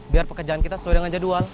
biar pekerjaan kita sesuai dengan jadwal